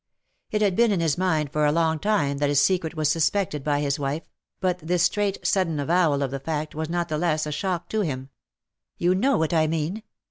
It had been in his mind for a long time that his secret was suspected by his wife — but this straight, sudden avowal of the fact was not the less a shock to him. ^^ You know what I mean.